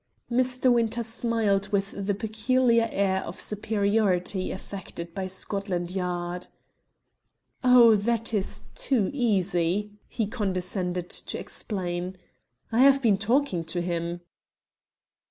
Mr. Winter smiled with the peculiar air of superiority affected by Scotland Yard. "Oh, that is too easy," he condescended to explain. "I have been talking to him."